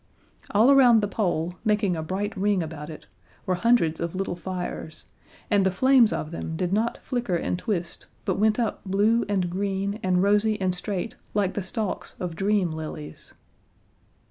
All around the Pole, making a bright ring about it, were hundreds of little fires, and the flames of them did not flicker and twist, but went up blue and green and rosy and straight like the stalks of dream lilies.